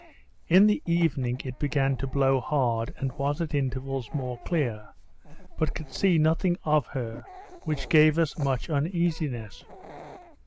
In the evening it began to blow hard, and was at intervals more clear, but could see nothing of her, which gave us much uneasiness.